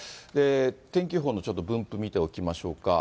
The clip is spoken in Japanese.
天気予報の分布を見ておきましょうか。